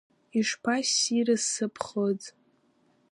Ишԥассирыз сыԥхыӡ!